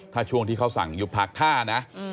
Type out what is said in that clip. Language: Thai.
ถ้าช่วงที่เขาสั่งยุบพักท่านะ